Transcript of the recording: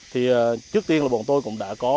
thì trước tiên là bọn tôi cũng đã có